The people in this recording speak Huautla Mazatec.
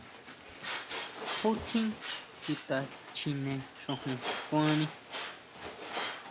Jon xtín Chuta chjine xojon kuani.